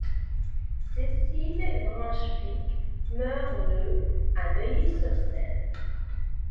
Cécile Brunschvicg meurt le à Neuilly-sur-Seine.